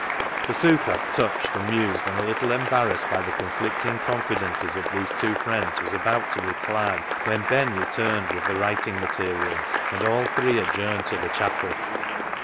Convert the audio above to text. The " super," touched, amused, and a little embarrassed by the conflicting confidences of these two friends, was about to reply, when Ben returned with the writing materials, and all three adjourned to the chapel.